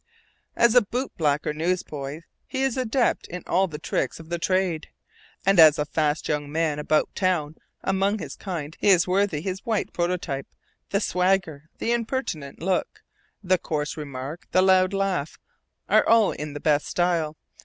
As a bootblack or newsboy, he is an adept in all the tricks of the trade; and as a fast young man about town among his kind, he is worthy his white prototype: the swagger, the impertinent look, the coarse remark, the loud laugh, are all in the best style.